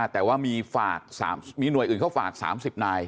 แต่ว่ามีฝากสามมีหน่วยอื่นเขาฝากสามสิบนาย